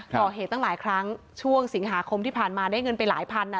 ก่อเหตุตั้งหลายครั้งช่วงสิงหาคมที่ผ่านมาได้เงินไปหลายพันนะ